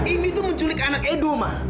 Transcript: ini tuh menculik anak edo mah